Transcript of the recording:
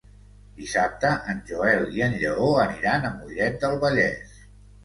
Dissabte en Joel i en Lleó aniran a Mollet del Vallès.